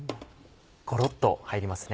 ゴロっと入りますね。